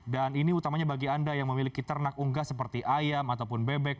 dan ini utamanya bagi anda yang memiliki ternak unggah seperti ayam ataupun bebek